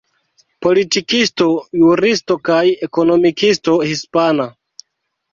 Politikisto, juristo kaj ekonomikisto hispana.